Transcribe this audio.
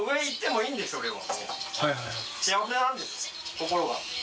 心が。